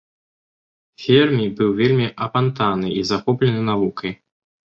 Фермі быў вельмі апантаны і захоплены навукай.